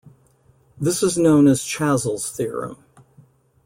This is known as Chasles' theorem.